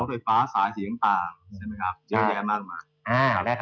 พวกไถฟ้าสายสียังต่างแยะมาก